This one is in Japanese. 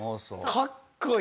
かっこいい。